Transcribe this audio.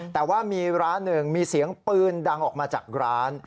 แต่ว่ามีร้านหนึ่งมีเสียงปืนดังออกมาจากร้าน